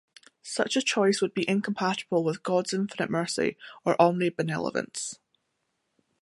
Such a choice would be incompatible with God's infinite mercy or omnibenevolence.